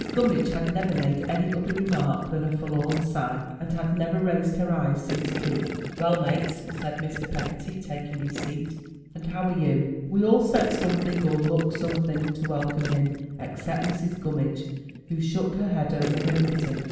Gunmiidge had never made any other remark than a forlorn sigh, and had never raised her eyes since tea. "Well, Mates,'* said Mr. Peggotty, taking his seat, "and how are you?*' We all said something, or looked something, to welcome him, except Mrs. Gummidge, who shook her head over her knitting.